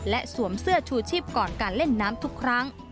และสวมเสื้อชูชีพก่อนการเล่นน้ำทุกครั้ง